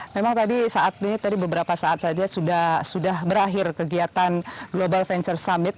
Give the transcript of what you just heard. memang tadi beberapa saat saja sudah berakhir kegiatan global venture summit